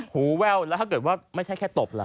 แววแล้วถ้าเกิดว่าไม่ใช่แค่ตบล่ะ